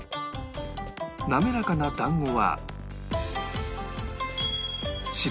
なめらかな団子は